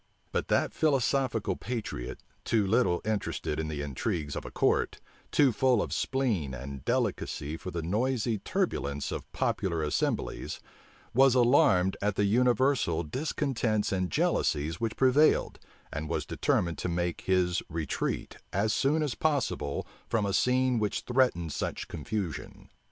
But that philosophical patriot, too little interested for the intrigues of a court, too full of spleen and delicacy for the noisy turbulence of popular assemblies, was alarmed at the universal discontents and jealousies which prevailed, and was determined to make his retreat, as soon as possible, from a scene which threatened such confusion.